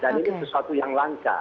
dan ini sesuatu yang langka